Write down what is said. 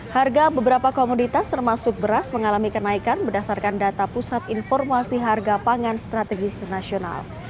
harga beberapa komoditas termasuk beras mengalami kenaikan berdasarkan data pusat informasi harga pangan strategis nasional